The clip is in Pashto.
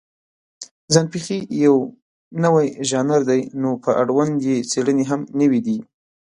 ځان پېښې یو نوی ژانر دی، نو په اړوند یې څېړنې هم نوې دي.